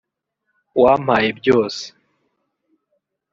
wampaye byose